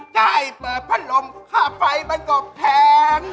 กลายเปิดภัณฑ์ลมข้าวไฟมากบแทง